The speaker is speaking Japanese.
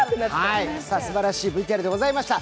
すばらしいＶＴＲでございました。